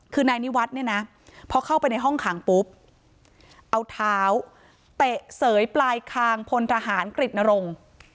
คือนายนิวัฒน์เนี่ยนะพอเข้าไปในห้องขังปุ๊บเอาเท้าเตะเสยปลายคางพลทหารกฤตนรงค์